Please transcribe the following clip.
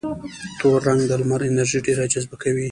تور رنګ د لمر انرژي ډېره جذبه کوي.